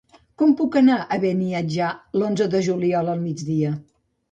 Com puc anar a Beniatjar l'onze de juliol al migdia?